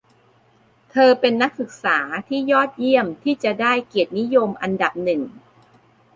เธอเป็นนักศึกษาที่ยอดเยี่ยมที่จะได้เกียรตินิยมอันดับหนึ่ง